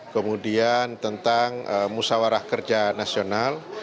kemudian tentang musawarah kerja nasional